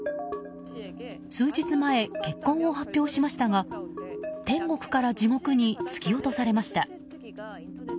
数日前、結婚を発表しましたが天国から地獄に突き落とされました。